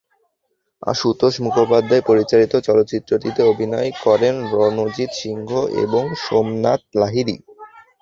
আশুতোষ মুখোপাধ্যায় পরিচালিত চলচ্চিত্রটিতে অভিনয় করেন রণজিত সিংহ এবং সোমনাথ লাহিড়ী।